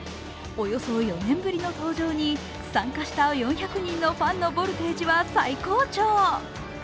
およそ４年ぶりの登場に参加した４００人のファンのボルテージは最高潮。